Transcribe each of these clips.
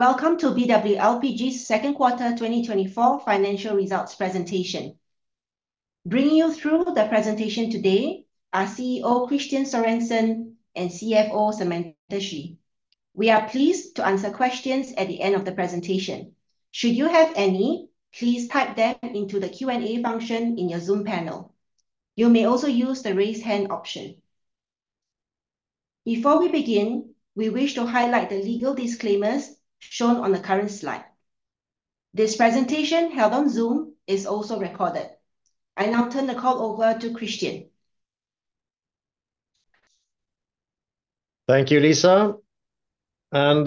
Welcome to BW LPG's second quarter twenty twenty-four financial results presentation. Bringing you through the presentation today are CEO Kristian Sørensen and CFO Samantha Xu. We are pleased to answer questions at the end of the presentation. Should you have any, please type them into the Q&A function in your Zoom panel. You may also use the raise hand option. Before we begin, we wish to highlight the legal disclaimers shown on the current slide. This presentation, held on Zoom, is also recorded. I now turn the call over to Kristian. Thank you, Lisa. And,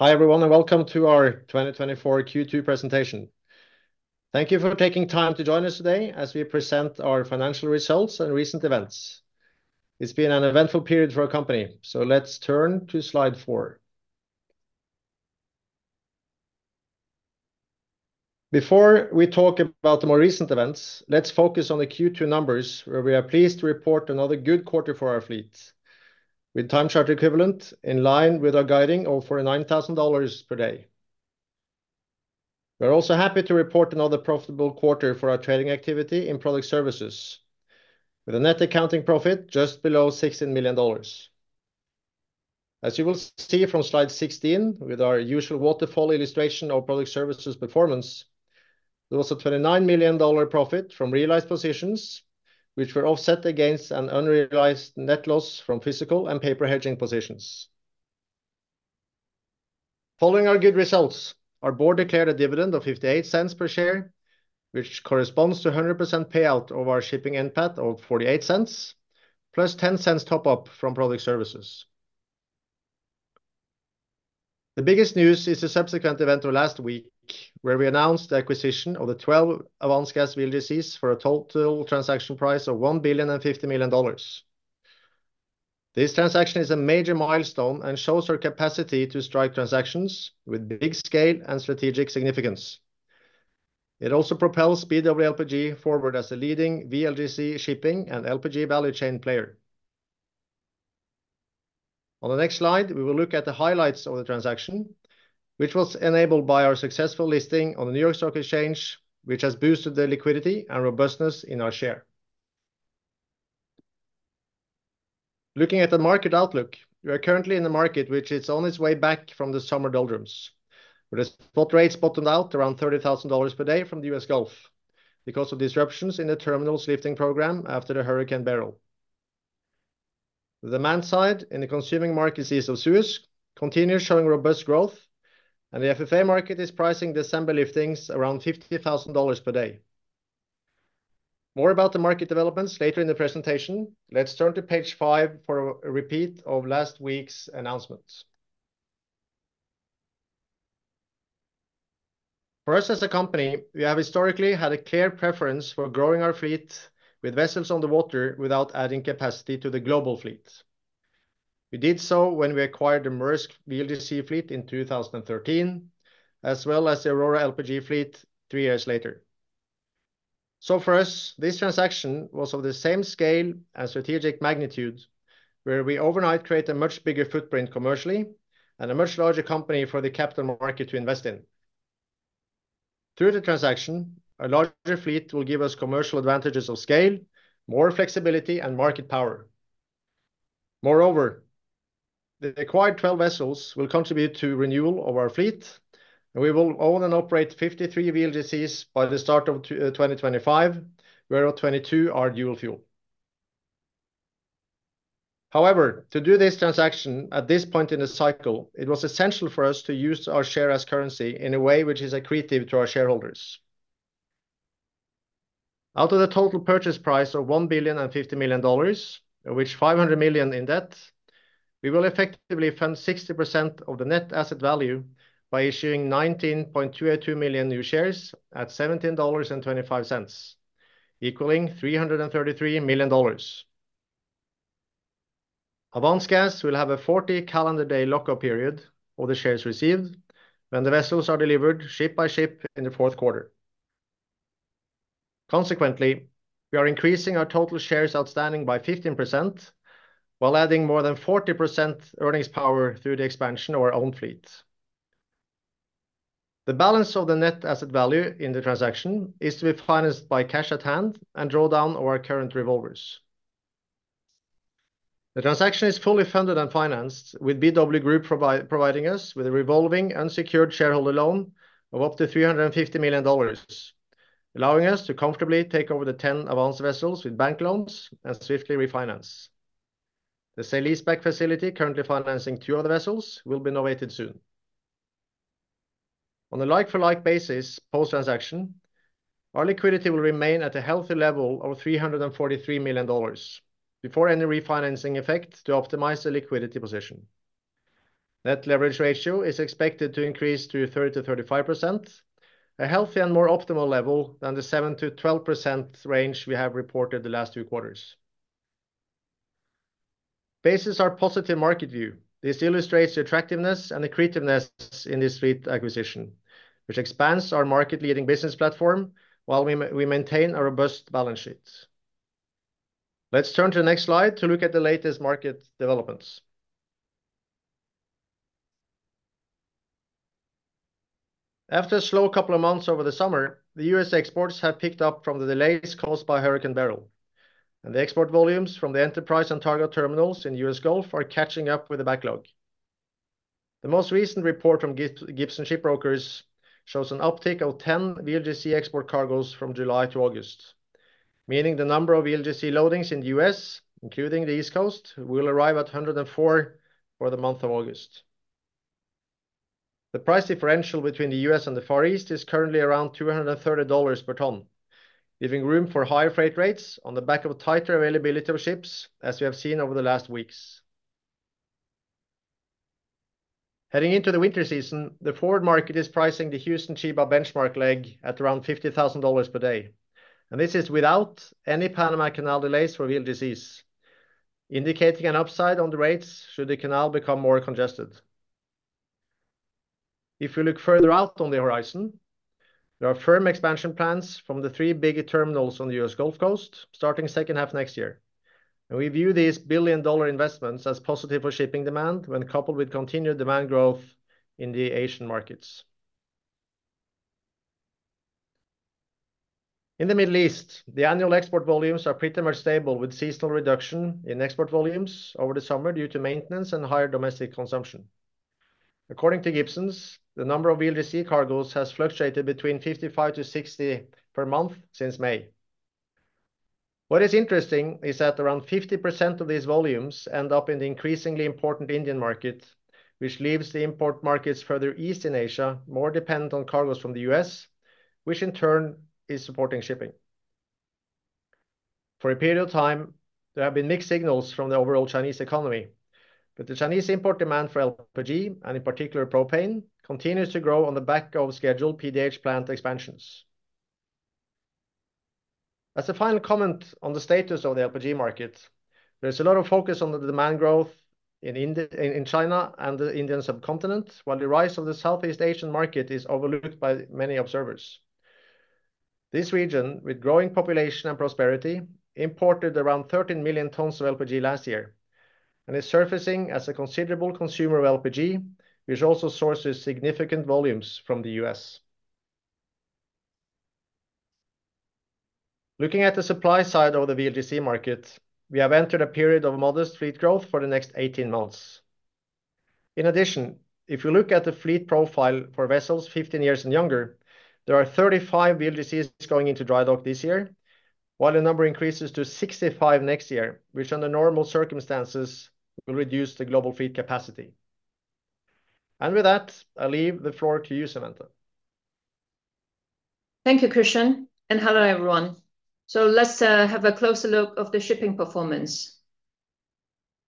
hi, everyone, and welcome to our twenty twenty-four Q2 presentation. Thank you for taking time to join us today as we present our financial results and recent events. It's been an eventful period for our company, so let's turn to slide four. Before we talk about the more recent events, let's focus on the Q2 numbers, where we are pleased to report another good quarter for our fleet, with Time Charter Equivalent in line with our guiding over $9,000 per day. We're also happy to report another profitable quarter for our trading activity in Product Services, with a net accounting profit just below $16 million. As you will see from slide 16, with our usual waterfall illustration of product services performance, there was a $29 million profit from realized positions, which were offset against an unrealized net loss from physical and paper hedging positions. Following our good results, our board declared a dividend of $0.58 per share, which corresponds to a 100% payout of our shipping NPAT of $0.48, plus $0.10 top up from product services. The biggest news is the subsequent event of last week, where we announced the acquisition of the 12 Avance Gas VLGCs for a total transaction price of $1.05 billion. This transaction is a major milestone and shows our capacity to strike transactions with big scale and strategic significance. It also propels BW LPG forward as a leading VLGC shipping and LPG value chain player. On the next slide, we will look at the highlights of the transaction, which was enabled by our successful listing on the New York Stock Exchange, which has boosted the liquidity and robustness in our share. Looking at the market outlook, we are currently in the market, which is on its way back from the summer doldrums, with the spot rates bottomed out around $30,000 per day from the US Gulf because of disruptions in the terminal's lifting program after the Hurricane Beryl. The demand side in the consuming market east of Suez continues showing robust growth, and the FFA market is pricing December liftings around $50,000 per day. More about the market developments later in the presentation. Let's turn to page five for a repeat of last week's announcement. For us, as a company, we have historically had a clear preference for growing our fleet with vessels on the water without adding capacity to the global fleet. We did so when we acquired the Maersk VLGC fleet in two thousand and thirteen, as well as the Aurora LPG fleet three years later. So for us, this transaction was of the same scale and strategic magnitude, where we overnight create a much bigger footprint commercially and a much larger company for the capital market to invest in. Through the transaction, a larger fleet will give us commercial advantages of scale, more flexibility, and market power. Moreover, the acquired twelve vessels will contribute to renewal of our fleet, and we will own and operate fifty-three VLGCs by the start of twenty twenty-five, where twenty-two are dual fuel. However, to do this transaction at this point in the cycle, it was essential for us to use our share as currency in a way which is accretive to our shareholders. Out of the total purchase price of $1.05 billion, of which $500 million in debt, we will effectively fund 60% of the net asset value by issuing 19.22 million new shares at $17.25, equaling $333 million. Avance Gas will have a 40-calendar-day lock-up period of the shares received when the vessels are delivered ship by ship in the fourth quarter. Consequently, we are increasing our total shares outstanding by 15%, while adding more than 40% earnings power through the expansion of our own fleet. The balance of the net asset value in the transaction is to be financed by cash at hand and draw down our current revolvers. The transaction is fully funded and financed, with BW Group providing us with a revolving unsecured shareholder loan of up to $350 million, allowing us to comfortably take over the 10 Avance vessels with bank loans and swiftly refinance. The sale lease back facility, currently financing two of the vessels, will be novated soon. On a like-for-like basis, post-transaction, our liquidity will remain at a healthy level of $343 million before any refinancing effect to optimize the liquidity position. Net leverage ratio is expected to increase to 30%-35%, a healthy and more optimal level than the 7%-12% range we have reported the last two quarters. on our positive market view, this illustrates the attractiveness and the creativeness in this fleet acquisition, which expands our market-leading business platform while we maintain a robust balance sheet. Let's turn to the next slide to look at the latest market developments. After a slow couple of months over the summer, the U.S. exports have picked up from the delays caused by Hurricane Beryl, and the export volumes from the Enterprise and Targa terminals in the U.S. Gulf are catching up with the backlog. The most recent report from Gibson Shipbrokers shows an uptick of 10 VLGC export cargoes from July to August, meaning the number of VLGC loadings in the U.S., including the East Coast, will arrive at 104 for the month of August. The price differential between the US and the Far East is currently around $230 per ton, leaving room for higher freight rates on the back of a tighter availability of ships, as we have seen over the last weeks. Heading into the winter season, the forward market is pricing the Houston Chiba benchmark leg at around $50,000 per day, and this is without any Panama Canal delays for VLGCs, indicating an upside on the rates should the canal become more congested. If you look further out on the horizon, there are firm expansion plans from the three big terminals on the US Gulf Coast, starting second half next year, and we view these billion-dollar investments as positive for shipping demand when coupled with continued demand growth in the Asian markets. In the Middle East, the annual export volumes are pretty much stable, with seasonal reduction in export volumes over the summer due to maintenance and higher domestic consumption. According to Gibson's, the number of VLGC cargoes has fluctuated between 55-60 per month since May. What is interesting is that around 50% of these volumes end up in the increasingly important Indian market, which leaves the import markets further east in Asia, more dependent on cargoes from the US, which in turn is supporting shipping. For a period of time, there have been mixed signals from the overall Chinese economy, but the Chinese import demand for LPG, and in particular propane, continues to grow on the back of scheduled PDH plant expansions. As a final comment on the status of the LPG market, there's a lot of focus on the demand growth in India, in China and the Indian Subcontinent, while the rise of the Southeast Asian market is overlooked by many observers. This region, with growing population and prosperity, imported around 13 million tons of LPG last year and is surfacing as a considerable consumer of LPG, which also sources significant volumes from the U.S. Looking at the supply side of the VLGC market, we have entered a period of modest fleet growth for the next 18 months. In addition, if you look at the fleet profile for vessels 15 years and younger, there are 35 VLGCs going into dry dock this year, while the number increases to 65 next year, which under normal circumstances, will reduce the global fleet capacity. With that, I leave the floor to you, Samantha. Thank you, Kristian, and hello, everyone. So let's have a closer look at the shipping performance.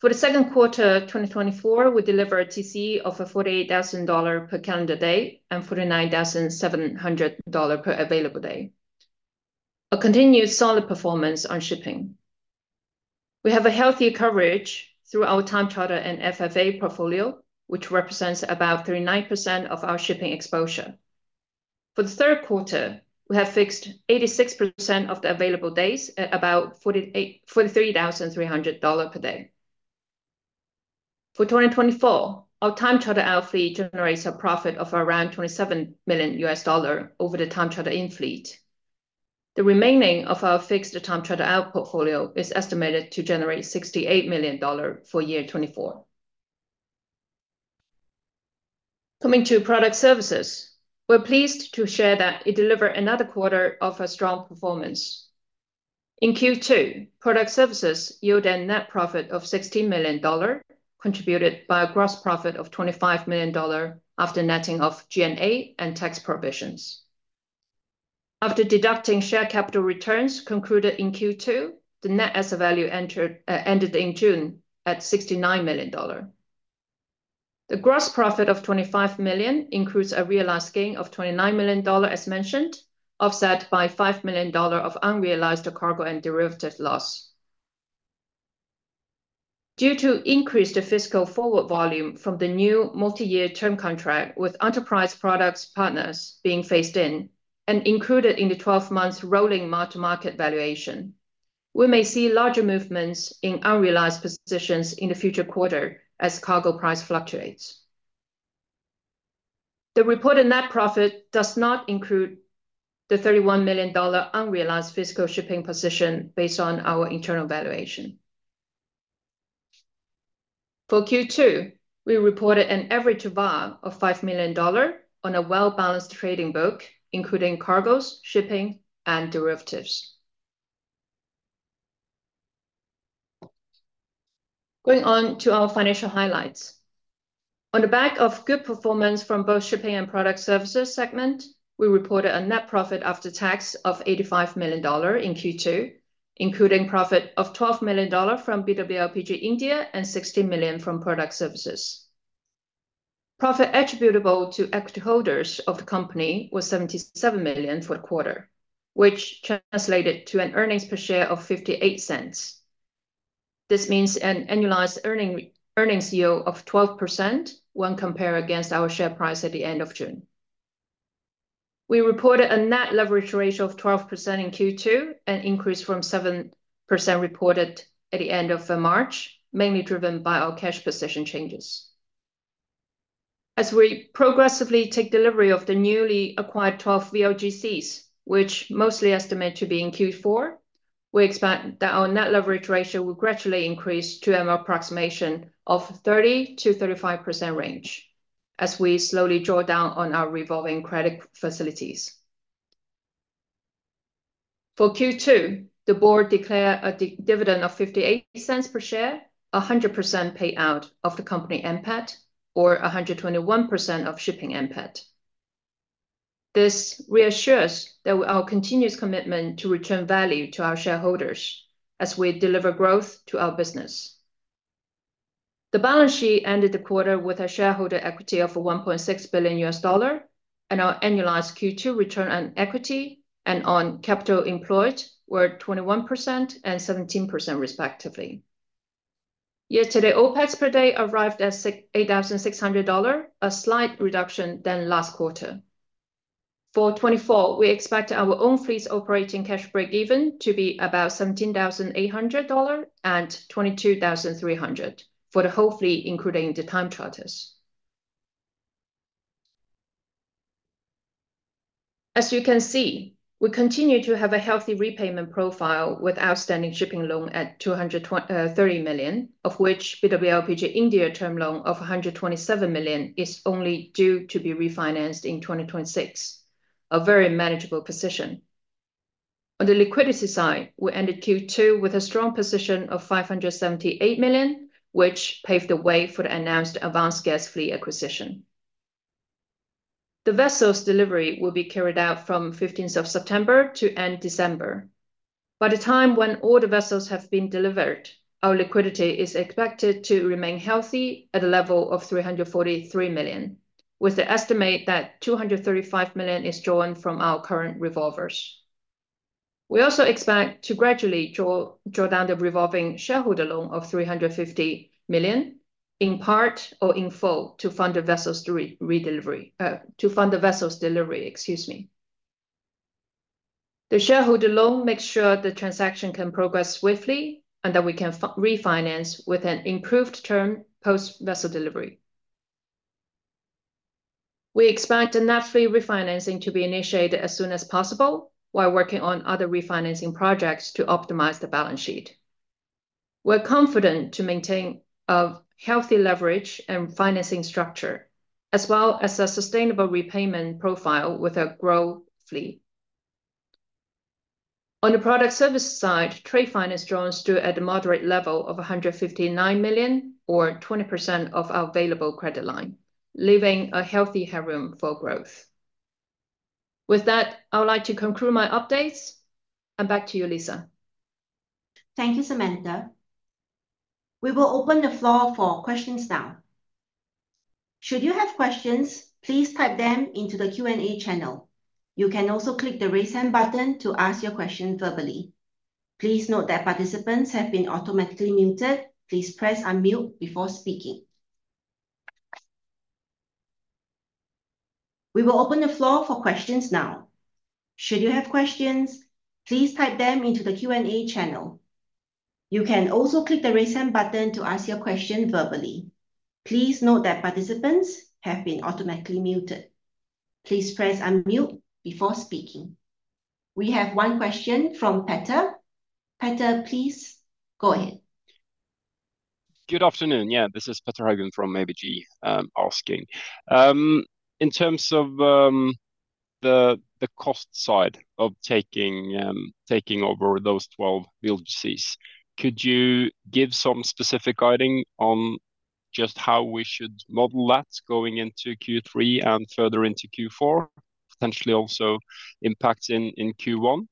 For the second quarter, 2024, we delivered a TCE of $48,000 per calendar day and $49,700 per available day. A continued solid performance on shipping. We have a healthy coverage through our time charter and FFA portfolio, which represents about 39% of our shipping exposure. For the third quarter, we have fixed 86% of the available days at about $43,300 per day. For 2024, our time charter out fleet generates a profit of around $27 million over the time charter in fleet. The remaining of our fixed time charter out portfolio is estimated to generate $68 million for year 2024. Coming to product services, we're pleased to share that it delivered another quarter of a strong performance. In Q2, product services yielded net profit of $16 million, contributed by a gross profit of $25 million after netting of G&A and tax provisions. After deducting share capital returns concluded in Q2, the net asset value entered, ended in June at $69 million. The gross profit of $25 million includes a realized gain of $29 million, as mentioned, offset by $5 million of unrealized cargo and derivative loss. Due to increased fiscal forward volume from the new multi-year term contract with Enterprise Products Partners being phased in and included in the 12 months rolling mark-to-market valuation, we may see larger movements in unrealized positions in the future quarter as cargo price fluctuates. The reported net profit does not include the $31 million unrealized fiscal shipping position based on our internal valuation. For Q2, we reported an average VaR of $5 million on a well-balanced trading book, including cargoes, shipping, and derivatives. Going on to our financial highlights. On the back of good performance from both shipping and Product Services segment, we reported a net profit after tax of $85 million in Q2, including profit of $12 million from BW LPG India and $16 million from product services. Profit attributable to equity holders of the company was $77 million for the quarter, which translated to an earnings per share of $0.58. This means an annualized earnings yield of 12% when compared against our share price at the end of June. We reported a net leverage ratio of 12% in Q2, an increase from 7% reported at the end of March, mainly driven by our cash position changes. As we progressively take delivery of the newly acquired 12 VLGCs, which mostly estimate to be in Q4, we expect that our net leverage ratio will gradually increase to an approximation of 30%-35% range as we slowly draw down on our revolving credit facilities. For Q2, the board declare a dividend of $0.58 per share, a 100% payout of the company NPAT, or a 121% of shipping NPAT. This reassures that our continuous commitment to return value to our shareholders as we deliver growth to our business. The balance sheet ended the quarter with a shareholder equity of $1.6 billion, and our annualized Q2 return on equity and on capital employed were 21% and 17% respectively. Yesterday, OPEX per day arrived at $6,800, a slight reduction than last quarter. For '24, we expect our own fleet's operating cash break-even to be about $17,800 and $22,300 for the whole fleet, including the time charters. As you can see, we continue to have a healthy repayment profile, with outstanding shipping loan at $230 million, of which BW LPG India term loan of $127 million is only due to be refinanced in 2026, a very manageable position. On the liquidity side, we ended Q2 with a strong position of $578 million, which paved the way for the announced Avance Gas fleet acquisition. The vessels' delivery will be carried out from fifteenth of September to end December. By the time when all the vessels have been delivered, our liquidity is expected to remain healthy at a level of $343 million, with the estimate that $235 million is drawn from our current revolvers. We also expect to gradually draw down the revolving shareholder loan of $350 million, in part or in full, to fund the vessels redelivery, to fund the vessels' delivery, excuse me. The shareholder loan makes sure the transaction can progress swiftly, and that we can refinance with an improved term post-vessel delivery. We expect the net fleet refinancing to be initiated as soon as possible while working on other refinancing projects to optimize the balance sheet. We're confident to maintain a healthy leverage and financing structure, as well as a sustainable repayment profile with a growth fleet. On the product service side, trade finance draws stood at a moderate level of $159 million or 20% of our available credit line, leaving a healthy headroom for growth. With that, I would like to conclude my updates, and back to you, Lisa. Thank you, Samantha. We will open the floor for questions now. Should you have questions, please type them into the Q&A channel. You can also click the raise hand button to ask your question verbally. Please note that participants have been automatically muted. Please press unmute before speaking. We have one question from Petter. Petter, please go ahead. Good afternoon. Yeah, this is Petter Haugen from ABG, asking. In terms of the cost side of taking over those 12 VLGCs, could you give some specific guiding on just how we should model that going into Q3 and further into Q4, potentially also impacting in Q1?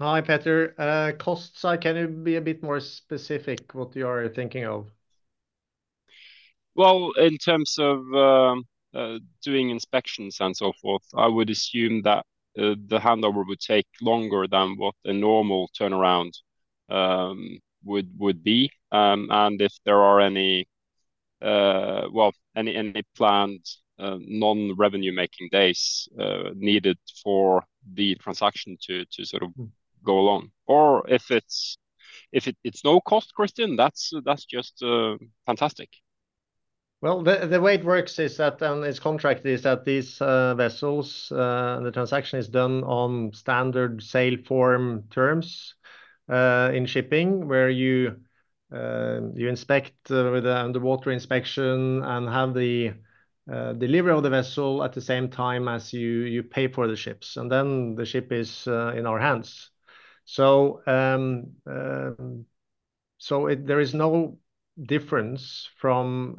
Hi, Petter. Cost side, can you be a bit more specific what you are thinking of? Well, in terms of doing inspections and so forth, I would assume that the handover would take longer than what a normal turnaround would be. And if there are any planned non-revenue-making days needed for the transaction to sort of go along. Or if it's no cost, Kristian, that's just fantastic. Well, the way it works is that this contract is that these vessels, the transaction is done on standard sale form terms in shipping, where you inspect with an underwater inspection and have the delivery of the vessel at the same time as you pay for the ships, and then the ship is in our hands. So it... There is no difference from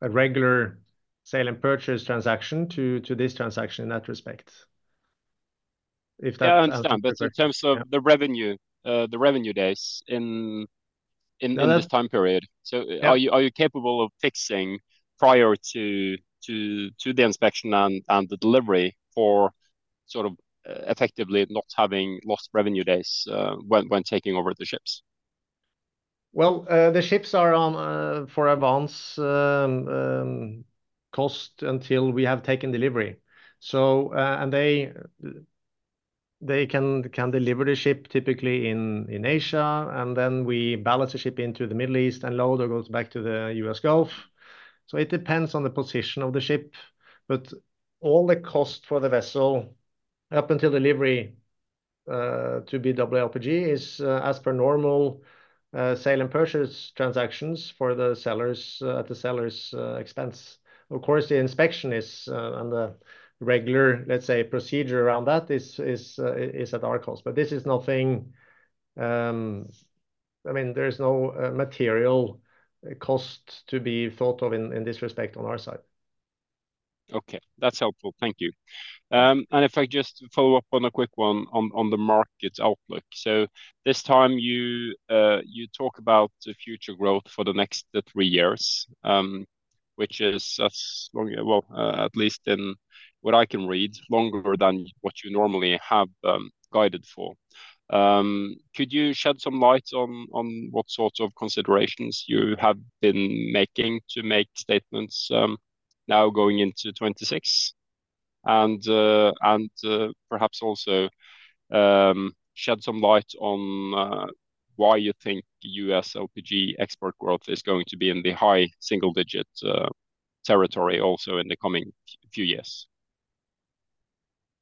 a regular sale and purchase transaction to this transaction in that respect. If that- Yeah, I understand. But in terms of the revenue, the revenue days in this time period- Yeah... So are you capable of fixing prior to the inspection and the delivery for sort of effectively not having lost revenue days when taking over the ships? The ships are at Avance cost until we have taken delivery. They can deliver the ship typically in Asia, and then we ballast the ship into the Middle East, and load or goes back to the US Gulf. It depends on the position of the ship, but all the cost for the vessel up until delivery to BW LPG is as per normal sale and purchase transactions for the sellers at the sellers' expense. Of course, the inspection is on the regular, let's say, procedure around that is at our cost, but this is nothing. I mean, there's no material cost to be thought of in this respect on our side. Okay, that's helpful. Thank you. And if I just follow up on a quick one on the market outlook. So this time you talk about the future growth for the next three years, which is as long, well, at least in what I can read, longer than what you normally have guided for. Could you shed some light on what sorts of considerations you have been making to make statements now going into 2026? And perhaps also shed some light on why you think U.S. LPG export growth is going to be in the high single-digit territory also in the coming few years?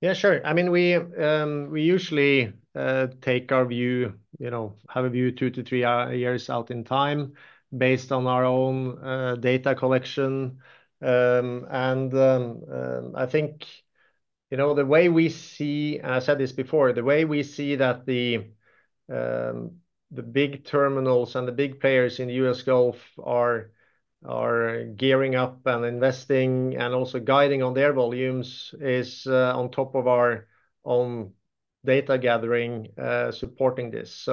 Yeah, sure. I mean, we usually take our view, you know, have a view two to three years out in time, based on our own data collection. I think, you know, the way we see, and I said this before, the way we see that the big terminals and the big players in the U.S. Gulf are gearing up and investing, and also guiding on their volumes, is on top of our own data gathering, supporting this.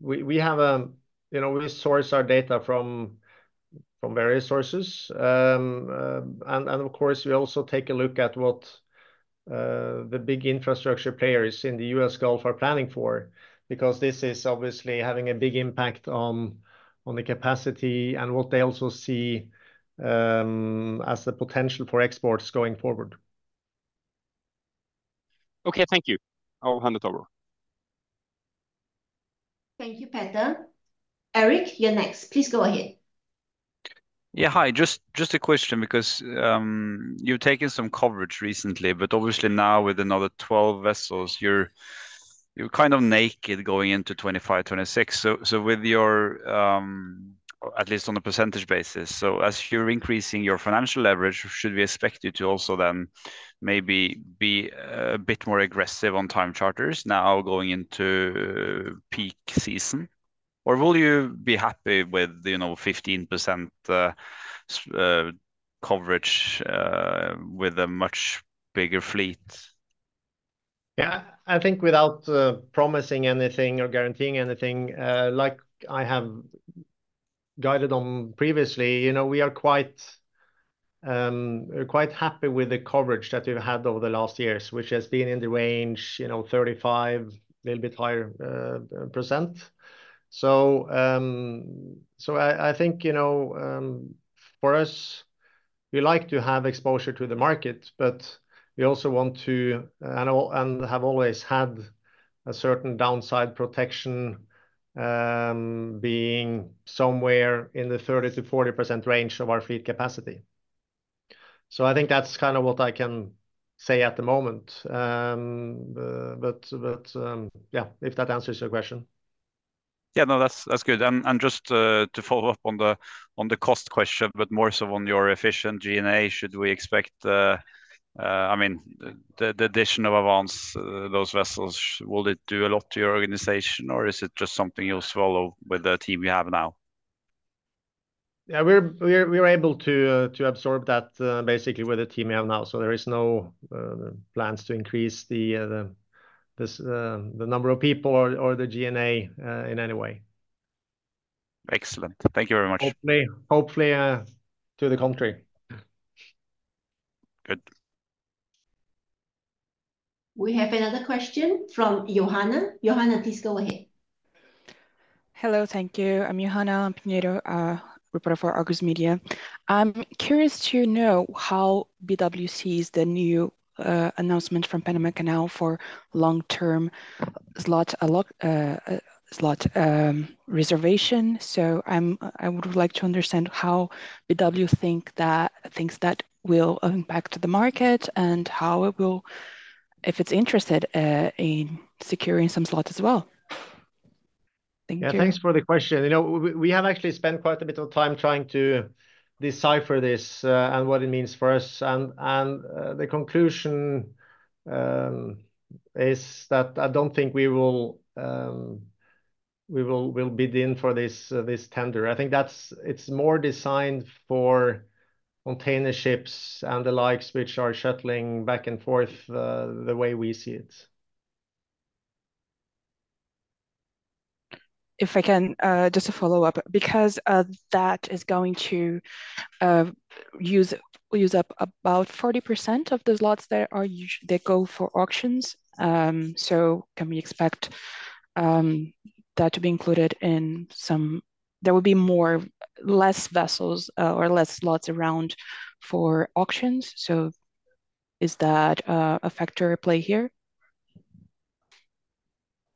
We have, you know, we source our data from various sources. Of course, we also take a look at what the big infrastructure players in the U.S. Gulf are planning for, because this is obviously having a big impact on the capacity and what they also see as the potential for exports going forward. Okay, thank you. I'll hand it over. Thank you, Petter. Eric, you're next. Please go ahead. Yeah, hi. Just a question, because you've taken some coverage recently, but obviously now with another 12 vessels, you're kind of naked going into 2025, 2026. So with your, at least on a percentage basis, so as you're increasing your financial leverage, should we expect you to also then maybe be a bit more aggressive on time charters now going into peak season? Or will you be happy with, you know, 15% coverage with a much bigger fleet? Yeah. I think without promising anything or guaranteeing anything, like I have guided on previously, you know, we are quite, we're quite happy with the coverage that we've had over the last years, which has been in the range, you know, 35, a little bit higher, percent. So, so I think, you know, for us, we like to have exposure to the market, but we also want to and have always had a certain downside protection, being somewhere in the 30%-40% range of our fleet capacity. So I think that's kind of what I can say at the moment. But, yeah, if that answers your question. Yeah, no, that's good. And just to follow up on the cost question, but more so on your efficient G&A, should we expect, I mean, the addition of Avance those vessels, will it do a lot to your organization, or is it just something you'll swallow with the team you have now? Yeah, we're able to absorb that basically with the team we have now. So there is no plans to increase the number of people or the G&A in any way. Excellent. Thank you very much. Hopefully to the contrary. Good. We have another question from Johanna. Johanna, please go ahead. Hello, thank you. I'm Johanna Pinheiro, reporter for Argus Media. I'm curious to know how BW sees the new announcement from Panama Canal for long-term slot allocation reservation. So I would like to understand how BW thinks that will impact the market, and how it will if it's interested in securing some slots as well. Thank you. Yeah, thanks for the question. You know, we have actually spent quite a bit of time trying to decipher this and what it means for us. The conclusion is that I don't think we will be in for this tender. I think it's more designed for container ships and the likes, which are shuttling back and forth the way we see it. ... if I can just a follow-up, because that is going to use up about 40% of those slots that go for auctions. So can we expect that to be included? There will be more or less vessels or less slots around for auctions? So is that a factor at play here?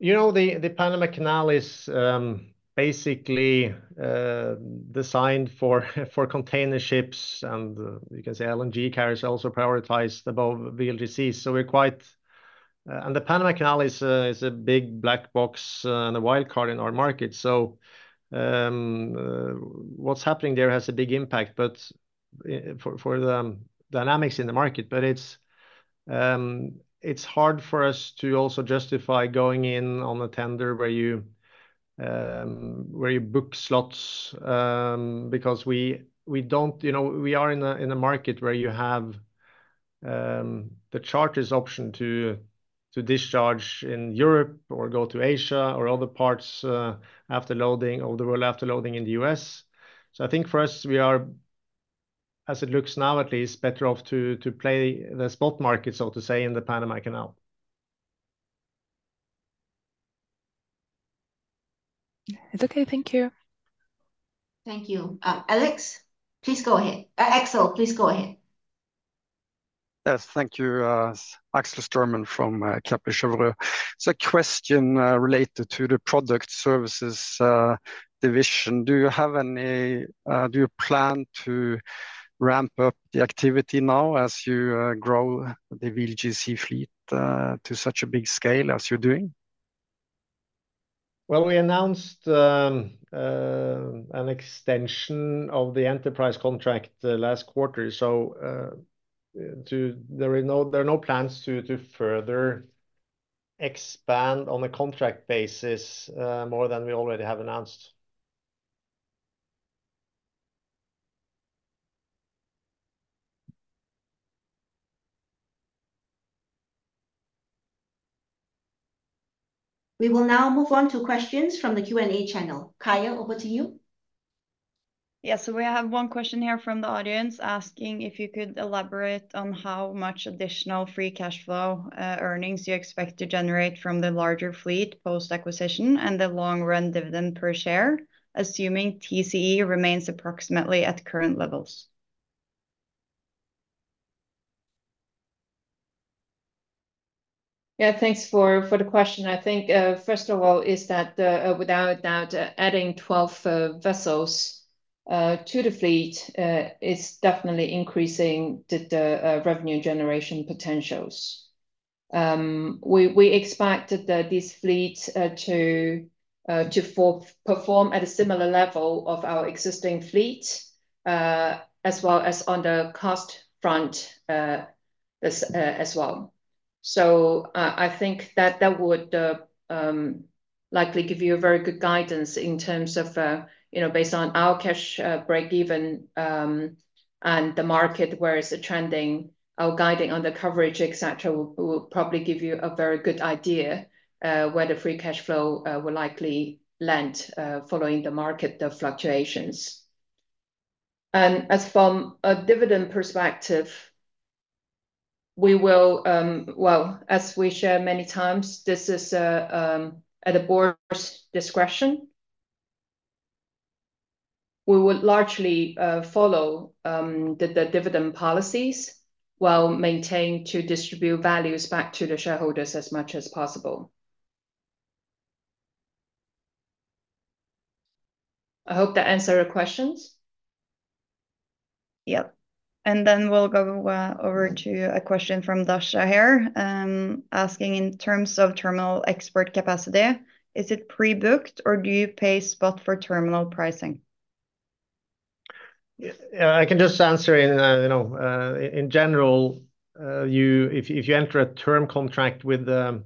You know, the Panama Canal is basically designed for container ships, and you can say LNG carriers are also prioritized above VLGC, so we're quite... And the Panama Canal is a big black box and a wild card in our market. So, what's happening there has a big impact, but for the dynamics in the market. But it's hard for us to also justify going in on a tender where you book slots, because we don't, you know, we are in a market where you have the charter's option to discharge in Europe or go to Asia or other parts after loading, or the world after loading in the US. I think for us, we are, as it looks now, at least, better off to play the spot market, so to say, in the Panama Canal. It's okay. Thank you. Thank you. Alex, please go ahead. Axel, please go ahead. Yes, thank you. Axel Styrman from Kepler Cheuvreux. So a question related to the product services division. Do you plan to ramp up the activity now as you grow the VLGC fleet to such a big scale as you're doing? We announced an extension of the Enterprise contract last quarter. There are no plans to further expand on a contract basis more than we already have announced. We will now move on to questions from the Q&A channel. Kaya, over to you. Yeah. So we have one question here from the audience, asking if you could elaborate on how much additional free cash flow, earnings you expect to generate from the larger fleet post-acquisition and the long-run dividend per share, assuming TCE remains approximately at current levels. Yeah, thanks for the question. I think first of all is that without a doubt, adding twelve vessels to the fleet is definitely increasing the revenue generation potentials. We expect this fleet to perform at a similar level of our existing fleet as well as on the cost front as well. So I think that would likely give you a very good guidance in terms of you know, based on our cash break-even and the market, where it is trending, our guidance on the coverage, et cetera, will probably give you a very good idea where the free cash flow will likely land following the market fluctuations. As from a dividend perspective, we will, as we share many times, this is at the board's discretion. We would largely follow the dividend policies, while maintain to distribute values back to the shareholders as much as possible. I hope that answered your questions. Yep. And then we'll go over to a question from Dasha here, asking in terms of terminal export capacity, is it pre-booked, or do you pay spot for terminal pricing? Yeah, I can just answer in, you know, in general, you-- if you enter a term contract with the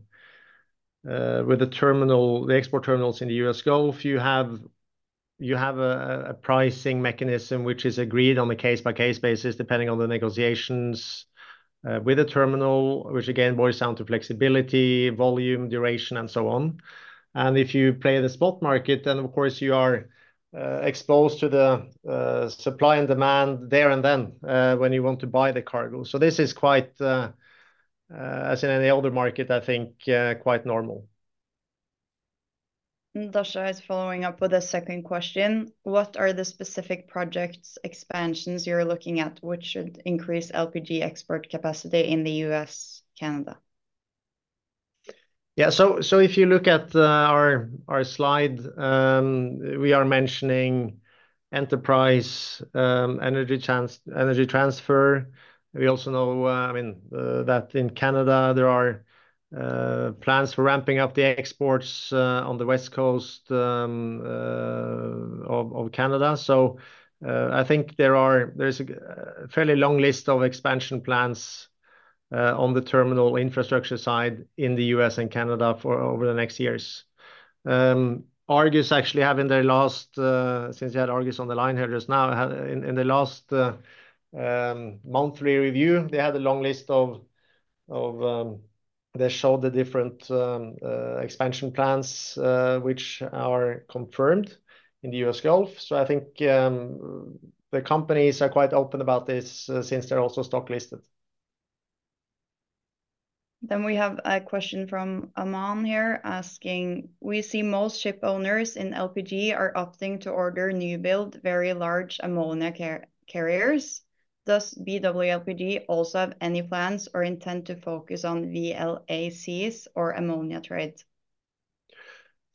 terminal, the export terminals in the U.S. Gulf, you have a pricing mechanism which is agreed on a case-by-case basis, depending on the negotiations with the terminal, which again boils down to flexibility, volume, duration, and so on. And if you play the spot market, then of course, you are exposed to the supply and demand there and then when you want to buy the cargo. So this is quite, as in any other market, I think, quite normal. Dasha is following up with a second question: What are the specific projects, expansions you're looking at, which should increase LPG export capacity in the U.S., Canada? Yeah. So if you look at our slide, we are mentioning Enterprise, Energy Transfer. We also know, I mean, that in Canada there are plans for ramping up the exports on the West Coast of Canada. So I think there's a fairly long list of expansion plans on the terminal infrastructure side in the U.S. and Canada for over the next years. Argus actually have in their last, since you had Argus on the line here just now, had in the last monthly review, they had a long list of they showed the different expansion plans which are confirmed in the U.S. Gulf. So I think the companies are quite open about this since they're also stock listed. Then we have a question from Aman here asking, "We see most ship owners in LPG are opting to order new build, very large ammonia carriers. Does BW LPG also have any plans or intend to focus on VLACs or ammonia trade?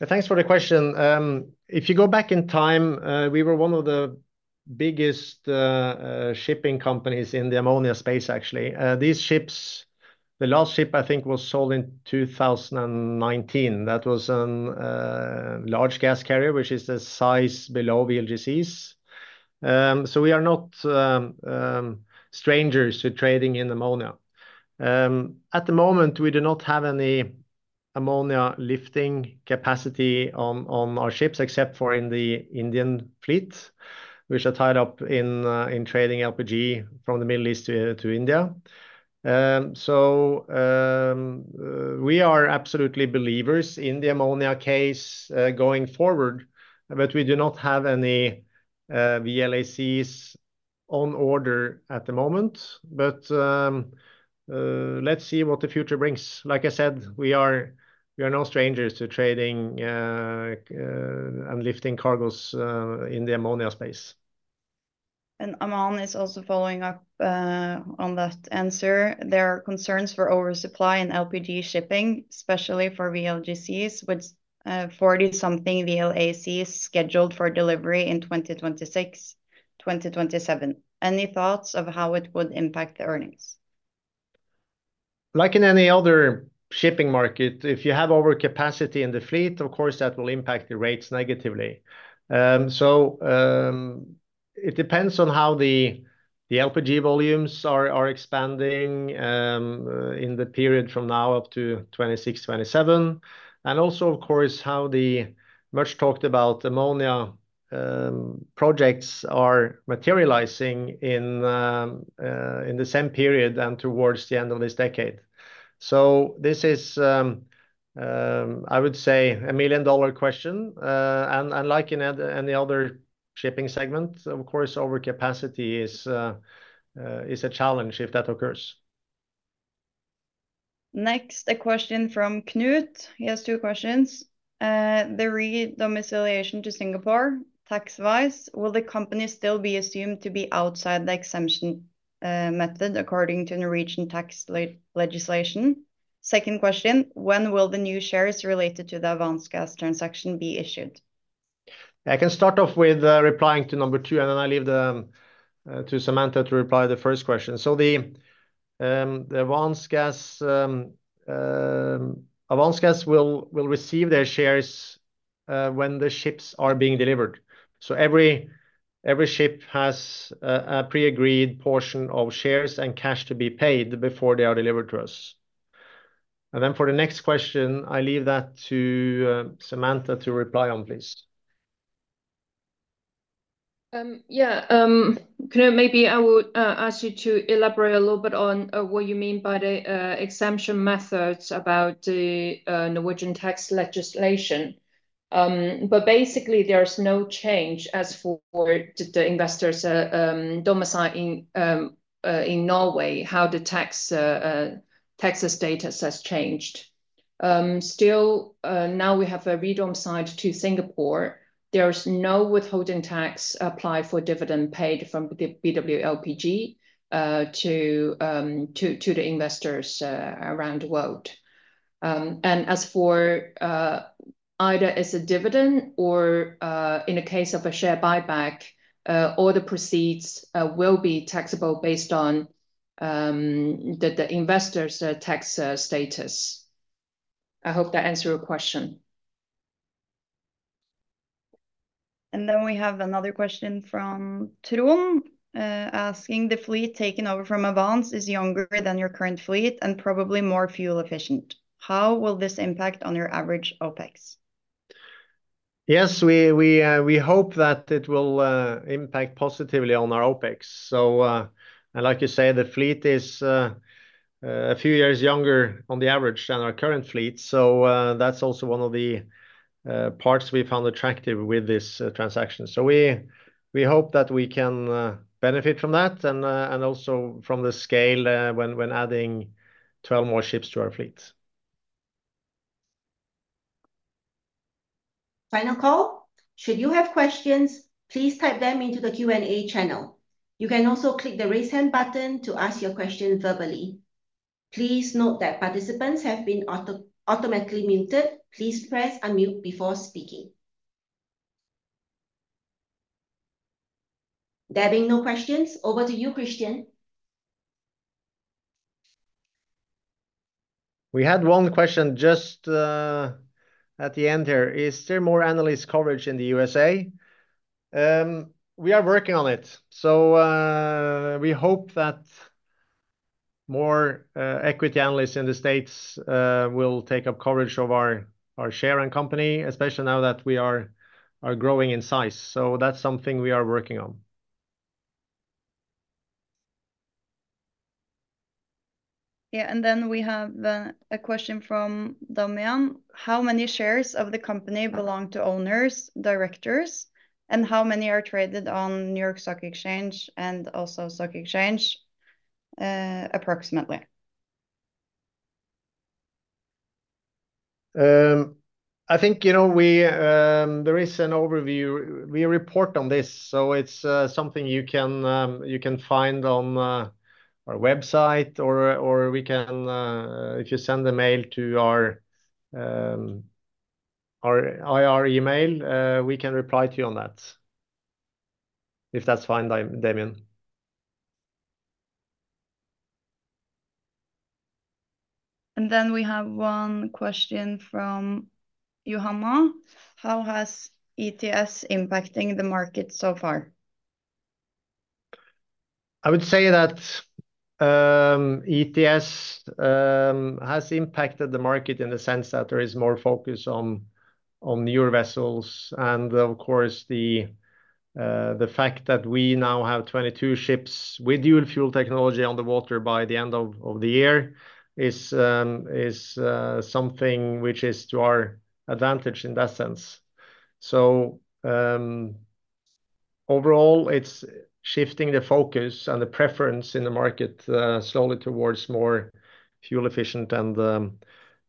Thanks for the question. If you go back in time, we were one of the biggest shipping companies in the ammonia space, actually. These ships, the last ship I think was sold in two thousand and nineteen. That was large gas carrier, which is the size below VLGCs, so we are not strangers to trading in ammonia. At the moment, we do not have any ammonia lifting capacity on our ships, except for in the Indian fleet, which are tied up in trading LPG from the Middle East to India, so we are absolutely believers in the ammonia case going forward, but we do not have any VLACs on order at the moment, but let's see what the future brings. Like I said, we are no strangers to trading and lifting cargos in the ammonia space. Aman is also following up on that answer. There are concerns for oversupply in LPG shipping, especially for VLGCs, with forty-something VLACs scheduled for delivery in 2026, 2027. Any thoughts of how it would impact the earnings? Like in any other shipping market, if you have overcapacity in the fleet, of course, that will impact the rates negatively, so it depends on how the LPG volumes are expanding in the period from now up to 2026, 2027, and also, of course, how the much-talked-about ammonia projects are materializing in the same period and towards the end of this decade, so this is, I would say, a million-dollar question, and like in any other shipping segment, of course, overcapacity is a challenge if that occurs. Next, a question from Knut. He has two questions. The re-domiciliation to Singapore, tax-wise, will the company still be assumed to be outside the exemption method according to Norwegian tax legislation? Second question: When will the new shares related to the Avance Gas transaction be issued? I can start off with replying to number two, and then I leave to Samantha to reply the first question. So the Avance Gas will receive their shares when the ships are being delivered. So every ship has a pre-agreed portion of shares and cash to be paid before they are delivered to us. And then for the next question, I leave that to Samantha to reply on, please. Yeah, Knut, maybe I would ask you to elaborate a little bit on what you mean by the exemption methods about the Norwegian tax legislation. But basically, there is no change as for the investors domicile in Norway, how the tax status has changed. Still, now we have a re-domicile to Singapore, there is no withholding tax applied for dividend paid from the BW LPG to the investors around the world. And as for either as a dividend or in the case of a share buyback, all the proceeds will be taxable based on the investor's tax status. I hope that answered your question. And then we have another question from Trond, asking, "The fleet taken over from Avance is younger than your current fleet and probably more fuel efficient. How will this impact on your average OpEx? Yes, we hope that it will impact positively on our OpEx. So, and like you say, the fleet is a few years younger on the average than our current fleet. So, that's also one of the parts we found attractive with this transaction. So we hope that we can benefit from that, and also from the scale when adding 12 more ships to our fleet. Final call. Should you have questions, please type them into the Q&A channel. You can also click the Raise Hand button to ask your question verbally. Please note that participants have been auto-muted. Please press unmute before speaking. There being no questions, over to you, Kristian. We had one question just at the end here: Is there more analyst coverage in the USA? We are working on it. So we hope that more equity analysts in the States will take up coverage of our share and company, especially now that we are growing in size. So that's something we are working on.... Yeah, and then we have a question from Damian: how many shares of the company belong to owners, directors, and how many are traded on New York Stock Exchange and also stock exchange, approximately? I think, you know, there is an overview. We report on this, so it's something you can find on our website or we can, if you send a mail to our IR email, we can reply to you on that, if that's fine, Damian. We have one question from Johanna: How has ETS impacting the market so far? I would say that ETS has impacted the market in the sense that there is more focus on newer vessels, and of course, the fact that we now have 22 ships with dual-fuel technology on the water by the end of the year is something which is to our advantage in that sense, so overall, it's shifting the focus and the preference in the market slowly towards more fuel-efficient and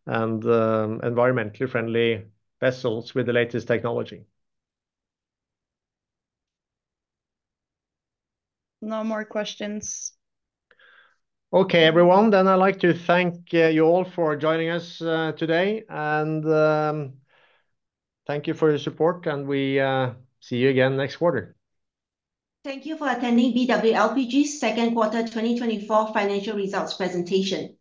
environmentally friendly vessels with the latest technology. No more questions. Okay, everyone, then I'd like to thank you all for joining us today, and thank you for your support, and we see you again next quarter. Thank you for attending BW LPG's second quarter 2024 financial results presentation.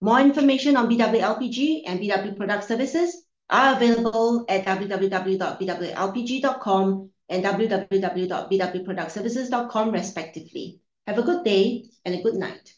More information on BW LPG and BW Product Services are available at www.bwlpg.com and www.bwproductservices.com respectively. Have a good day and a good night.